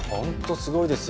すごいですよ